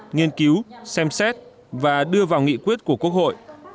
nghiên cứu xem xét và đưa vào nghị quyết của quốc hội